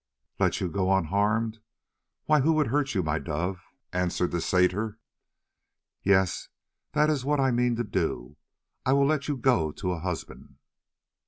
"Let you go unharmed? Why, who would hurt you, my dove?" answered the satyr. "Yes, that is what I mean to do. I will let you go to a husband."